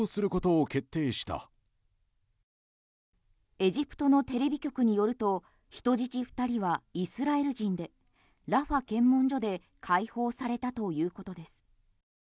エジプトのテレビ局によると人質２人はイスラエル人でラファ検問所で解放されたということです。